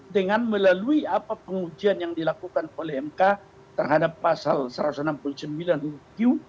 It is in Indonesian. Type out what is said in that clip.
dengan melalui apa pengujian yang dilakukan oleh mk terhadap pasal satu ratus enam puluh sembilan q